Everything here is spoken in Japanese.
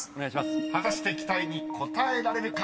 ［果たして期待に応えられるか？］